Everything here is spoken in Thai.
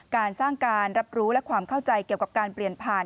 การสร้างการรับรู้และความเข้าใจเกี่ยวกับการเปลี่ยนผ่าน